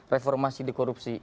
reformasi di korupsi